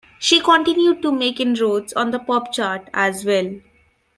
She continued to make inroads on the pop chart, as well.